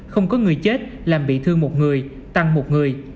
không có người chết làm bị thương một người tăng một người